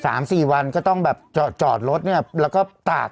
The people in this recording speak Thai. สามสี่วันก็ต้องแบบจอดจอดรถเนี้ยแล้วก็ตาก